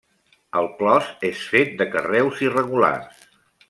El clos és fet de carreus irregulars.